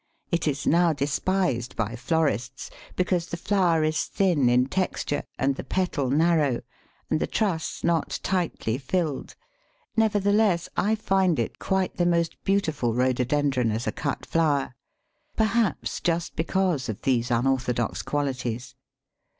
It is now despised by florists, because the flower is thin in texture and the petal narrow, and the truss not tightly filled. Nevertheless I find it quite the most beautiful Rhododendron as a cut flower, perhaps just because of these unorthodox qualities.